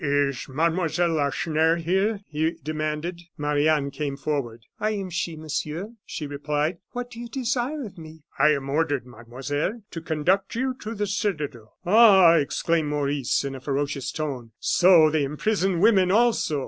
"Is Mademoiselle Lacheneur here?" he demanded. Marie Anne came forward. "I am she, Monsieur," she replied; "what do you desire of me?" "I am ordered, Mademoiselle, to conduct you to the citadel." "Ah!" exclaimed Maurice, in a ferocious tone; "so they imprison women also!"